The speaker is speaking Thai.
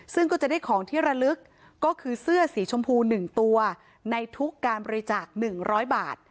ซึ่งก็จะได้ของที่ระลึกก็คือเสื้อสีชมพู๑ตัวในทุกการบริจาค๑๐๐บาท